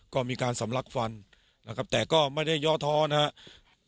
ก็มีการสำลักฟันนะครับแต่ก็ไม่ได้ย่อท้อนะครับ